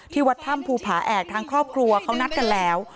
วัดถ้ำภูผาแอกทางครอบครัวเขานัดกันแล้ว